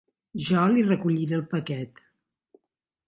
Jo li recolliré el paquet.